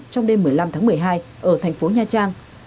trong đêm một mươi năm tháng một mươi hai ở tp nha trang